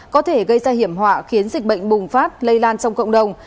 có thể gây ra hiểm họa khiến dịch bệnh bùng phát lây lan trong cộng đồng